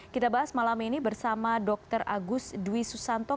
kita bahas malam ini bersama dr agus dwi susanto